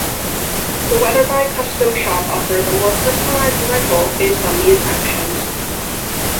The Weatherby Custom Shop offers a more personalized rifle based on these actions.